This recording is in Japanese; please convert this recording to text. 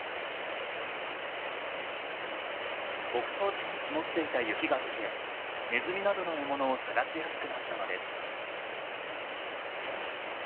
牧草地に積もっていた雪がとけネズミなどの獲物を探しやすくなったのです。